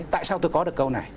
tại sao tôi có được câu này